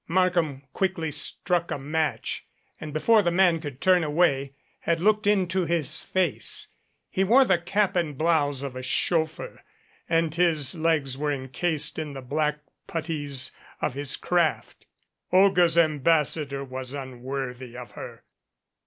Markham quickly struck a match, and, before the man could turn away, had looked into his face. He wore the cap and blouse of a chauffeur and his legs were encased in the black puttees of his craft. Olga's ambassador was unworthy of her.